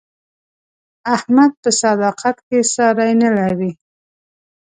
احمد په صداقت کې ساری نه لري.